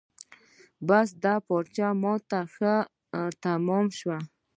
بس دا پارچه ما ته ښه تمامه شوه.